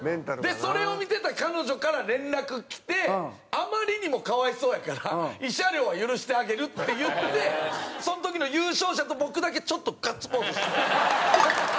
それを見てた彼女から連絡きて「あまりにも可哀想やから慰謝料は許してあげる」っていってその時の優勝者と僕だけちょっとガッツポーズした。